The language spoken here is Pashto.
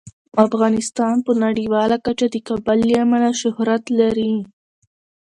افغانستان په نړیواله کچه د کابل له امله شهرت لري.